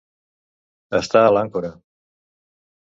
Estar a l'àncora.